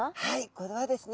これはですね